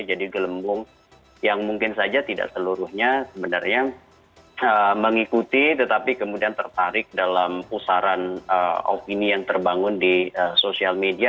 jadi gelembung yang mungkin saja tidak seluruhnya sebenarnya mengikuti tetapi kemudian tertarik dalam pusaran opini yang terbangun di sosial media